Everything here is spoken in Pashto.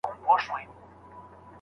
ایا ډېره ډوډۍ ماڼۍ ته وړل کیږي؟